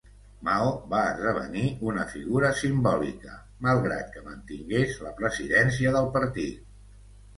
Mao va esdevenir una figura simbòlica, malgrat que mantingués la presidència del partit.